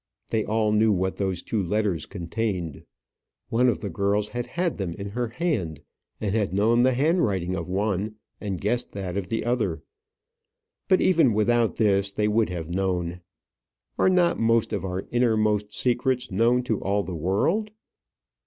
They all knew what those two letters contained. One of the girls had had them in her hand, and had known the handwriting of one and guessed that of the other. But even without this they would have known. Are not most of our innermost secrets known to all the world?